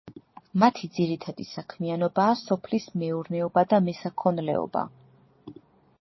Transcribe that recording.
მათი ძირითადი საქმიანობაა სოფლის მეურნეობა და მესაქონლეობა.